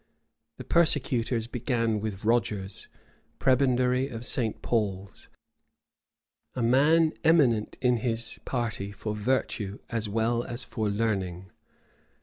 The persecutors began with Rogers, prebendary of St. Paul's, a man eminent in his party for virtue as well as for learning.